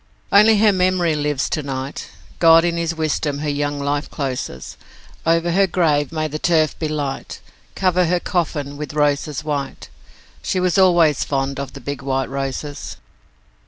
Only her memory lives to night God in His wisdom her young life closes; Over her grave may the turf be light, Cover her coffin with roses white She was always fond of the big white roses.